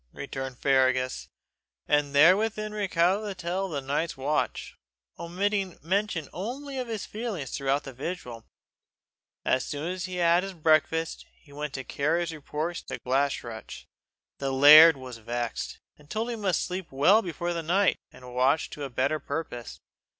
returned Fergus, and therewith recounted the tale of his night's watch, omitting mention only of his feelings throughout the vigil. As soon as he had had his breakfast, he went to carry his report to Glashruach. The laird was vexed, and told him he must sleep well before night, and watch to better purpose.